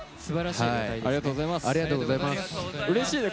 ありがとうございます。